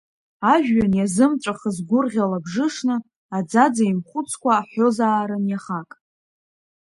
Ажәҩан иазымҵәахыз гәырӷьа лабжышны, аӡаӡа еимхәыцқәа аҳәозаарын иахак.